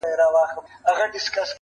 ه مړ او ځوانيمرگ دي سي,